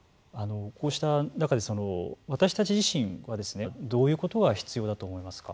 こうした中で私たち自身はどういうことが必要だと思いますか。